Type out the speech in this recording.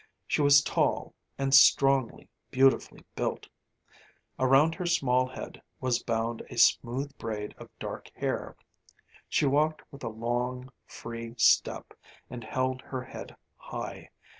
She was tall, and strongly, beautifully built; around her small head was bound a smooth braid of dark hair. She walked with a long, free step and held her head high.